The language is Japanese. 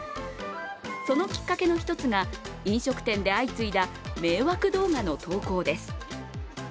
そのきっかけの１つが、飲食店で相次いだ迷惑動画の投稿です。